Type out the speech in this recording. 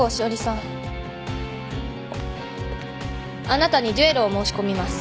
あなたに決闘を申し込みます。